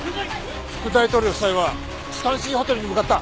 副大統領夫妻はスタンシーホテルに向かった。